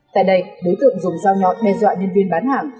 tại đây đối tượng dùng dao nhọn đe dọa nhân viên bán hàng